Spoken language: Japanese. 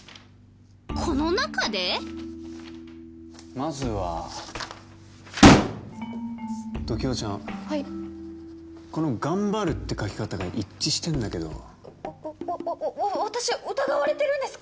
まずは常盤ちゃんはいこの「顔晴る」って書き方が一致してんだけどわわ私疑われてるんですか？